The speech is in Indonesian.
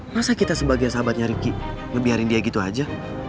masa kita sebagai sahabatnya ricky ngebiarin dia gitu aja